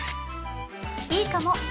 いいかも！